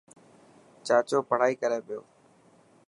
چاچو پڙهائي ڪري پيو.